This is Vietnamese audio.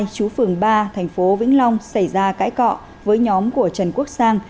chú phường ba thành phố vĩnh long xảy ra cãi cọ với nhóm của trần quốc sang